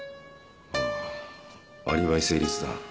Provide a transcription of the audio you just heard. ああアリバイ成立だ。